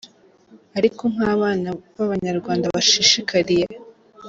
Ariko nk’abana b’Abanyarwanda bashishikariye.